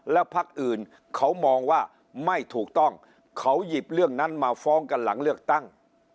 แล้วพักอื่นเขามองว่าไม่ถูกต้องเขาหยิบเรื่องนั้นมาฟ้องกันหลังเลือกตั้ง